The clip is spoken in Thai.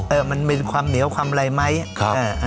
เอ่อมันมีความเหนียวความไรไหมครับเอ่อเอ่อ